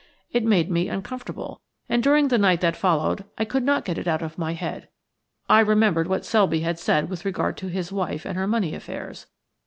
It made me uncomfortable, and during the night that followed I could not get it out of my head. I remembered what Selby had said with regard to his wife and her money affairs.